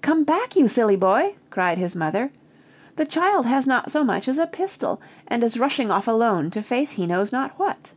"Come back, you silly boy!" cried his mother; "the child has not so much as a pistol, and is rushing off alone to face he knows not what!"